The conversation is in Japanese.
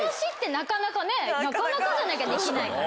なかなかじゃなきゃできないから。